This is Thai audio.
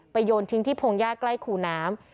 ไปโยนทิ้งที่พงศ์ยากใกล้ขู่น้ำ